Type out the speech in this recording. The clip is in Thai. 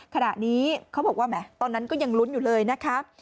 ขณะนี้เขาบอกว่าแหมตอนนั้นก็ยังลุ้นอยู่เลยนะคะ